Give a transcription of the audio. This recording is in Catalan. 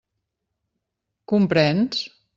Comprens?